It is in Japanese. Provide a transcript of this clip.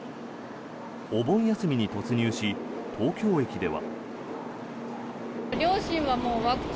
お盆休みに突入し東京駅では。